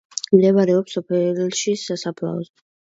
მდებარეობს სოფელში, სასაფლაოზე.